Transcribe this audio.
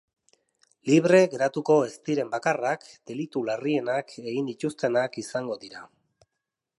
Libre geratuko ez diren bakarrak delitu larrienak egin dituztenak izango dira.